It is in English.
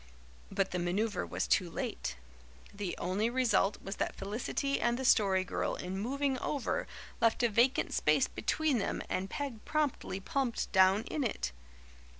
But the manoeuvre was too late. The only result was that Felicity and the Story Girl in moving over left a vacant space between them and Peg promptly plumped down in it.